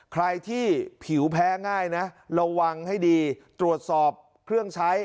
ใครที่ผิวแพ้ง่ายนะระวังให้ดีตรวจสอบเครื่องใช้